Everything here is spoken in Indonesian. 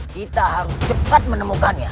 kita harus cepat menemukannya